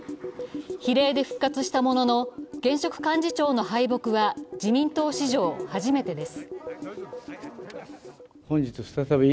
比例で復活したものの、現職幹事長の敗北は自民党史上初めてです。